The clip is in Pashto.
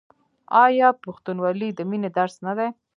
آیا پښتونولي د مینې درس نه دی؟